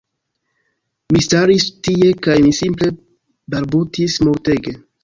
Mi staris tie kaj mi simple balbutis multege